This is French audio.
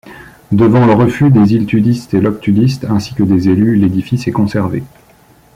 Devant le refus des Île-Tudistes et Loctudistes, ainsi que des élus, l'édifice est conservé.